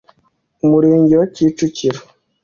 Umurenge wa Kicukiro